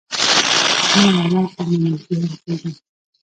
نه ولا که مو نږدې هم پرېږدي.